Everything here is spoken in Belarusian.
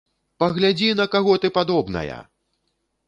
Паглядзі, на каго ты падобная!